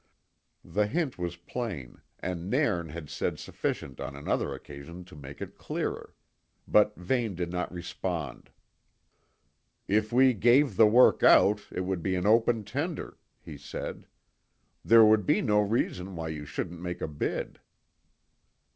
The hint was plain, and Nairn had said sufficient on another occasion to make it clearer; but Vane did not respond. "If we gave the work out, it would be an open tender," he said. "There would be no reason why you shouldn't make a bid."